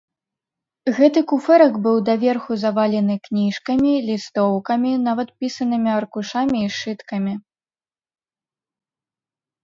Гэты куфэрак быў даверху завалены кніжкамі, лістоўкамі, нават пісанымі аркушамі і сшыткамі.